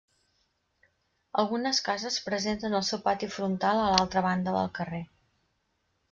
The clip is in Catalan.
Algunes cases presenten el seu pati frontal a l'altra banda del carrer.